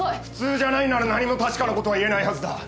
普通じゃないなら何も確かなことは言えないはずだ。